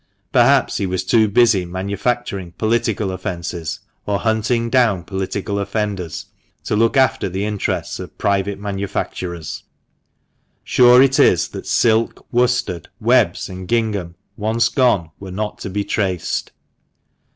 Perhaps he was too busy manufacturing political offences, or hunting down political offenders, to look after the interests of 156 ^THE MANCHESTER MAN. private manufacturers. Sure it is that silk, worsted, webs, and gingham once gone were not to be traced.